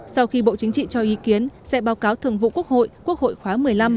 sau khi bộ chính trị cho ý kiến sẽ báo cáo thường vụ quốc hội quốc hội khóa một mươi năm